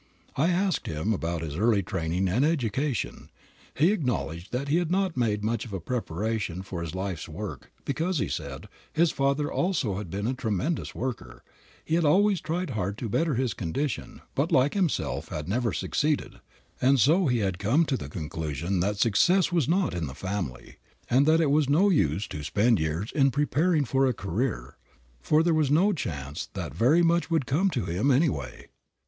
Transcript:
I asked him about his early training and education. He acknowledged that he had not made much of a preparation for his life work, because, he said, his father also had been a tremendous worker, had always tried hard to better his condition but like himself had never succeeded, and so he had come to the conclusion that success was not in the family, and that it was no use to spend years in preparing for a career, for there was no chance that very much would come to him anyway.